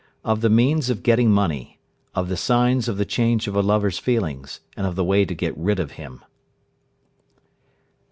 OF THE MEANS OF GETTING MONEY. OF THE SIGNS OF THE CHANGE OF A LOVER'S FEELINGS, AND OF THE WAY TO GET RID OF HIM.